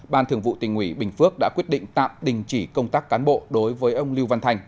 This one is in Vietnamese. ban thường vụ tỉnh ủy bình phước đã quyết định tạm đình chỉ công tác cán bộ đối với ông lưu văn thanh